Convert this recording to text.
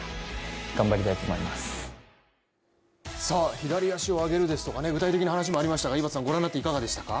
左足を上げるですとか具体的な話もありましたが井端さん、ご覧になっていかがでしたか？